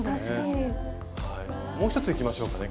もう１ついきましょうかね。